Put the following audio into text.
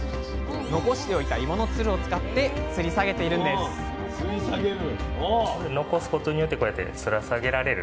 残しておいたいものつるを使ってつり下げているんですつらさげ！